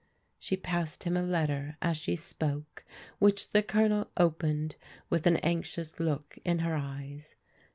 She passed him a letter as she spoke, which the Colonel opened with an anxious look in his eyes.